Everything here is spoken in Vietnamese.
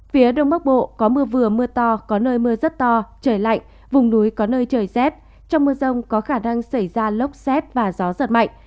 phía đông bắc bộ có mưa vừa mưa to có nơi mưa rất to trời lạnh vùng núi có nơi trời rét trong mưa rông có khả năng xảy ra lốc xét và gió giật mạnh